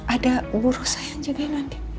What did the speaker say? ada buruh sayang juga ya nanti